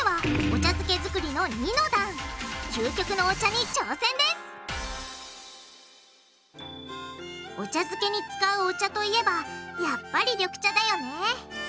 お茶漬けに使うお茶といえばやっぱり緑茶だよね